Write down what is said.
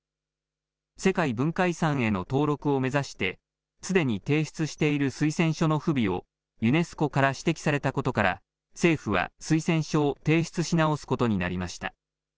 世界文化遺産への登録を目指してすでに提出している推薦書の不備をユネスコから指摘されたことから政府は推薦書を提出し直すことになりました。